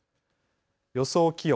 予想気温。